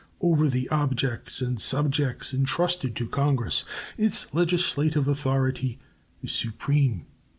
Over the objects and subjects intrusted to Congress its legislative authority is supreme.